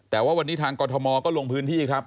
แต่ว่าวันนี้ทางกรทมก็ลงพื้นที่ครับ